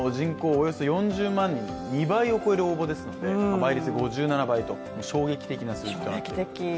およそ４０万人、２倍を超える応募ですので倍率５７倍と衝撃的な数字となっています。